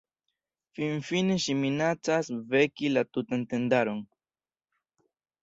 Finfine ŝi minacas veki la tutan tendaron.